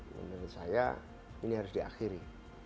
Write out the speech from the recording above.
menurut saya ini harus diakhiri